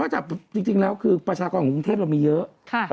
จากจริงแล้วคือประชากรของกรุงเทพเรามีเยอะ